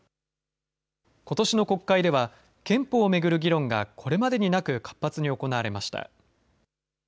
ことしの国会では、憲法を巡る議論がこれまでになく活発に行われました。